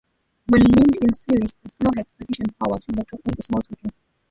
When linked in series the cells had sufficient power to electroplate a small token.